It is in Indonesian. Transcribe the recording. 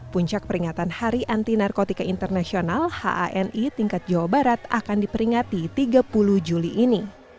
puncak peringatan hari anti narkotika internasional hani tingkat jawa barat akan diperingati tiga puluh juli ini